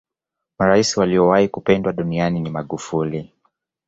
maraisi waliyowahi kupendwa duniani ni magufuli